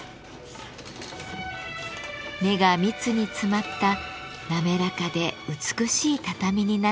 目が密に詰まった滑らかで美しい畳になるのだとか。